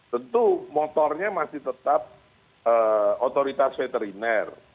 tentu motornya masih tetap otoritas veteriner